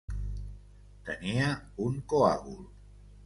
Tenia un coàgul.